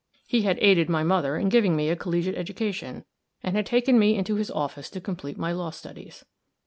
He had aided my mother in giving me a collegiate education, and had taken me into his office to complete my law studies.